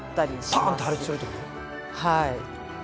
はい。